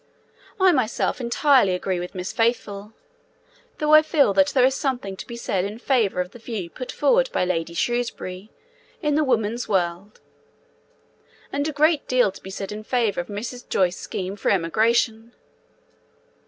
I myself entirely agree with Miss Faithfull, though I feel that there is something to be said in favour of the view put forward by Lady Shrewsbury in the Woman's World, and a great deal to be said in favour of Mrs. Joyce's scheme for emigration.